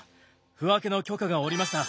腑分けの許可が下りました。